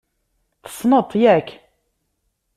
Tessneḍ-t, yak?